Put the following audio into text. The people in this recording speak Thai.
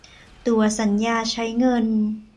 ตั๋วสัญญาใช้เงิน